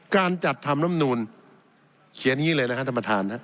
การจัดทำลำนูลเขียนอย่างนี้เลยนะครับท่านประธาน